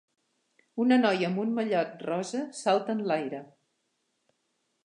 Una noia amb un mallot rosa salta enlaire.